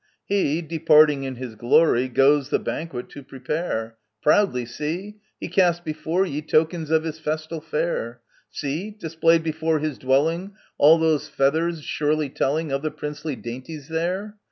He, departing in his glory, Goes the banquet to prepare ! Proudly, see ! he casts before ye Tokens of his festal fare ! See ! displayed before his dwelling All those feathers, surely telling Of the princely dainties there